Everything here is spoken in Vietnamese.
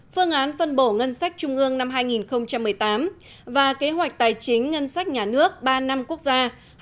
phương án phân bổ ngân sách trung ương năm hai nghìn một mươi tám và kế hoạch tài chính ngân sách nhà nước ba năm quốc gia hai nghìn một mươi một hai nghìn hai mươi